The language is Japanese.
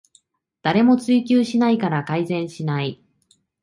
誰も追及しないから改善しない